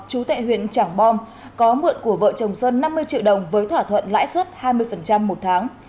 chú tệ huyện trảng bom có mượn của vợ chồng sơn năm mươi triệu đồng với thỏa thuận lãi suất hai mươi một tháng